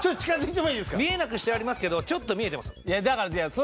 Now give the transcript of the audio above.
見えなくしてありますけどちょっと見えてます。